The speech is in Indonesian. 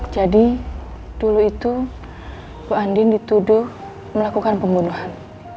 jadi dulu itu bu andin dituduh melakukan pembunuhan